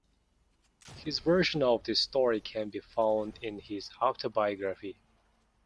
His version of the story can be found in his autobiography.